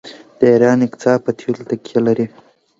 د ایران اقتصاد په تیلو تکیه لري.